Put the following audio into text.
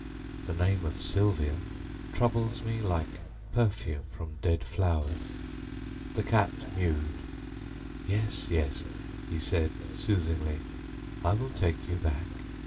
The name of Sylvia troubles me like perfume from dead flowers." The cat mewed. "Yes, yes," he said soothingly, "I will take you back.